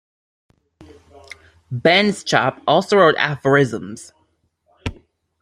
Benschop also wrote aphorisms.